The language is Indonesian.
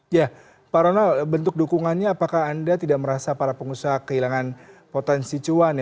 ya pak ronald bentuk dukungannya apakah anda tidak merasa para pengusaha kehilangan potensi cuan